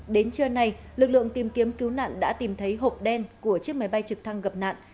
đến trưa nay lực lượng tìm kiếm cứu nạn đã tìm thấy hộp đen của chiếc máy bay trực thăng gặp nạn